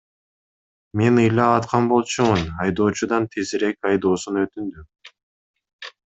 Мен ыйлап аткан болчумун, айдоочудан тезирээк айдоосун өтүндүм.